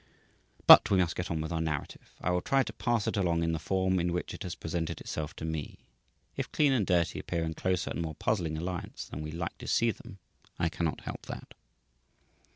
But we must get on with our narrative. I will try to pass it along in the form in which it has presented itself to me. If Clean and Dirty appear in closer and more puzzling alliance than we like to see them, I cannot help that.